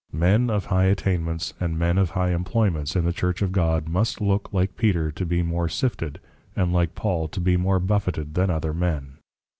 _ Men of high Attainments, and Men of high Employments, in the Church of God, must look, like Peter to be more Sifted, and like Paul, to be more Buffeted than other Men.